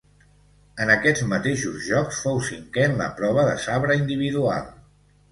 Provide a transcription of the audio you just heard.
En aquests mateixos Jocs fou cinquè en la prova de sabre individual.